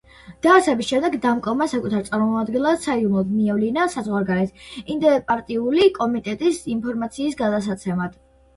დაარსების შემდეგ დამკომმა საკუთარ წარმომადგენლად საიდუმლოდ მიავლინა საზღვარგარეთ ინტერპარტიული კომიტეტისთვის ინფორმაციის გადასაცემად.